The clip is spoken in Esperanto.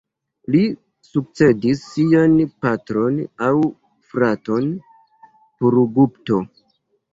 Li sukcedis sian patron aŭ fraton Purugupto.